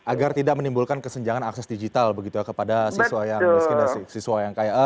agar tidak menimbulkan kesenjangan akses digital begitu ya kepada siswa yang miskin dan siswa yang kaya